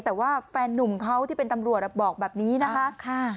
แต่ว่าแฟนนุ่มเขาที่เป็นตำรวจบอกแบบนี้นะคะ